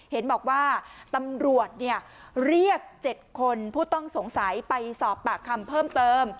เห็นบอกว่าตำรวจเรียก๗คนผู้ต้องสงสัยไปสอบปากคำเพิ่มเติม